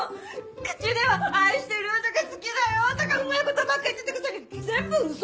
口では「愛してる」とか「好きだよ」とかうまいことばっか言ってたくせに全部嘘！